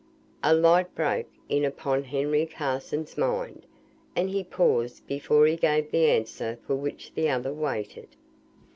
A light broke in upon Harry Carson's mind, and he paused before he gave the answer for which the other waited.